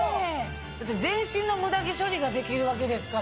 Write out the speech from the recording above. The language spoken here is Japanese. だって全身のムダ毛処理ができるわけですからね。